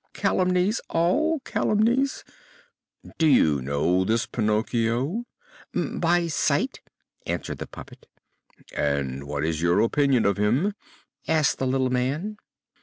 "Calumnies! all calumnies!" "Do you know this Pinocchio?" "By sight!" answered the puppet. "And what is your opinion of him?" asked the little man.